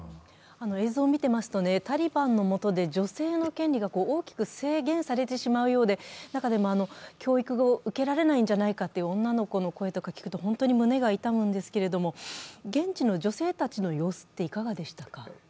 映像を見ていますと、タリバンの下で女性の権利が大きく制限されてしまうようで、中でも教育を受けられないんじゃないかという女の子の声とか聞くと本当に胸が痛むんですけれども現地の女性たちの様子はいかがでしたか？